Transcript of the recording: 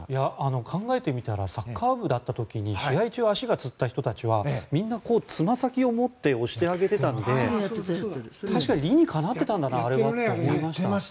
考えてみたらサッカー部だった時に試合中足がつった人たちはみんなつま先を持って押してあげてたので確かに理にかなっていたんだなと思いました。